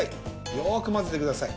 よくまぜてください。